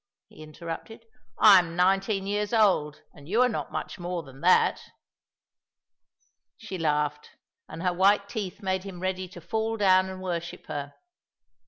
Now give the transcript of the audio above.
he interrupted. "I am nineteen years old, and you are not much more than that." She laughed, and her white teeth made him ready to fall down and worship her.